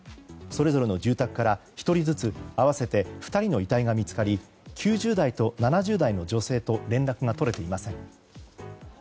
それぞれの住宅から１人ずつ合わせて２人の遺体が見つかり９０代と７０代の女性と連絡が取れていません。